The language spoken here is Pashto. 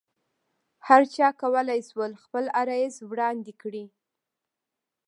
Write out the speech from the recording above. هرچا کولای شول خپل عرایض وړاندې کړي.